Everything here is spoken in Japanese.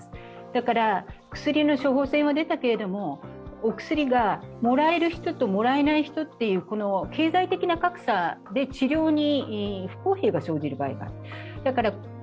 だから薬の処方箋は出たけれど、お薬がもらえる人ともらえない人の経済的な格差で治療に不公平が生じる場合がある。